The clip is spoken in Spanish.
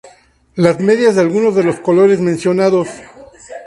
Las medias de algunos de los colores mencionados.